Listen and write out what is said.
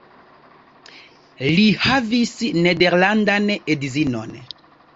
Li havis nederlandan edzinon.